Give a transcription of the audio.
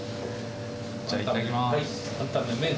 じゃあ、いただきます。